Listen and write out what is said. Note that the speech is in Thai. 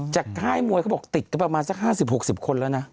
ค่ายมวยเขาบอกติดกันประมาณสัก๕๐๖๐คนแล้วนะ